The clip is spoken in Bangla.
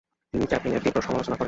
তিনি চ্যাপলিনের তীব্র সমালোচনা করেন।